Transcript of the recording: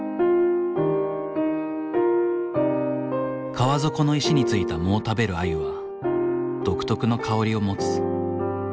川底の石についた藻を食べるアユは独特の香りを持つ。